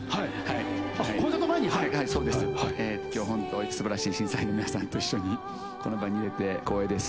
今日素晴らしい審査員の皆さんと一緒にこの場にいれて光栄です。